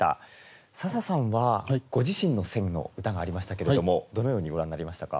笹さんはご自身の選の歌がありましたけれどもどのようにご覧になりましたか？